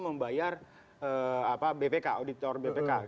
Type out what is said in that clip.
membayar bpk auditor bpk